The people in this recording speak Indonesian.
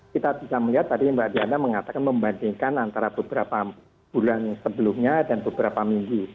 kita bisa melihat tadi mbak diana mengatakan membandingkan antara beberapa bulan sebelumnya dan beberapa minggu